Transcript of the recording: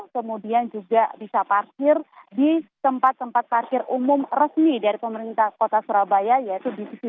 kemudian juga bisa parkir di tempat tempat parkir umum resmi dari pemerintah kota surabaya yaitu di